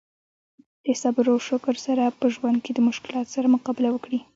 د صبر او شکر سره په ژوند کې د مشکلاتو سره مقابله وکړي.